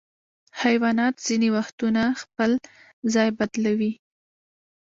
حیوانات ځینې وختونه خپل ځای بدلوي.